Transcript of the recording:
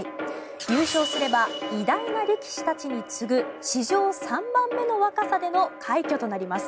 優勝すれば偉大な力士たちに次ぐ史上３番目の若さでの快挙となります。